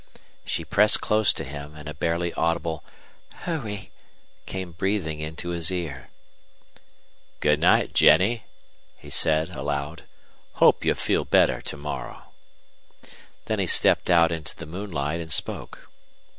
She pressed close to him, and a barely audible "Hurry!" came breathing into his ear. "Good night, Jennie," he said, aloud. "Hope you feel better to morrow." Then he stepped out into the moonlight and spoke.